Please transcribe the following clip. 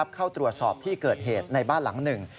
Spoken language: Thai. เข้าตรวจสอบที่เกิดเหตุในบ้านหลังหนึ่ง